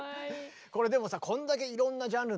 でもさこんだけいろんなジャンルのね